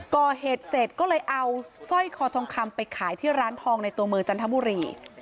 ก่อเหตุเสร็จก็เลยเอาสร้อยคอทองคำไปขายที่ร้านทองในตัวเมืองจันทบุรี